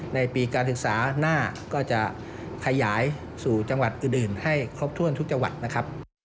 ในปีการศึกษาหน้าก็จะขยายสู่จังหวัดอื่นให้ครบถ้วนทุกจังหวัดนะครับ